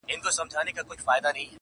راوړئ پلار مي په رضا وي که په زوره,